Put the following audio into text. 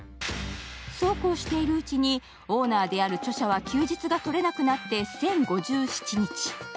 そうこうしているうちにオーナーである著者は休日が取れなくなって１０５７日。